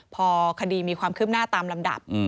พอคดีมีความคืบหน้าตามลำดับ